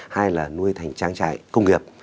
hai là nuôi thành trang trại công nghiệp